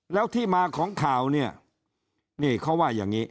แล้วที่มาของข่าวเนี่ยนี่เขาว่าอย่างนี้